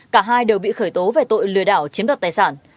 cả hai đều bị khởi tố về tội lừa đảo chiếm đoạt tài sản